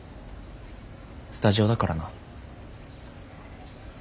スタジオだからな。